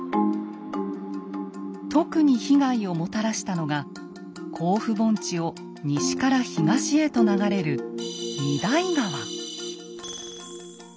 特に被害をもたらしたのが甲府盆地を西から東へと流れる御勅使川。